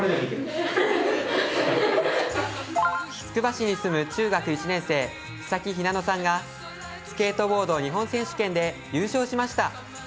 つくば市に住む中学１年生、草木ひなのさんがスケートボード日本選手権で優勝しました。